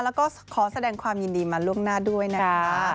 แล้วก็ขอแสดงความยินดีมาล่วงหน้าด้วยนะคะ